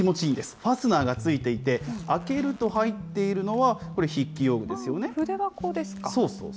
ファスナーが付いていて開けると入っているのは、こ筆箱ですか。